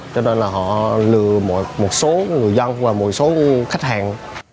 cho nên là họ lừa một số người dân và một số khách hàng